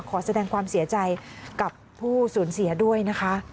ขอแสดงความเสียใจกับผู้สูญเสียด้วยนะคะ